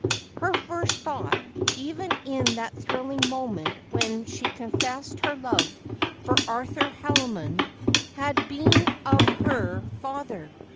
Her iirst thought, even in that thrilling moment when she confessed her love for Arthur Haldimond, had been of her father.